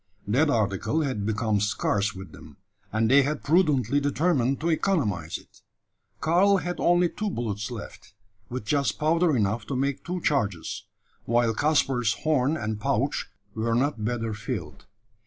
That article had become scarce with them; and they had prudently determined to economise it. Karl had only two bullets left, with just powder enough to make two charges; while Caspar's horn and pouch were not better filled.